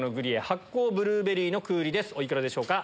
お幾らでしょうか？